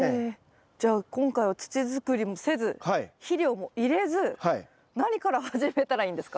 じゃあ今回は土づくりもせず肥料も入れず何から始めたらいいんですか？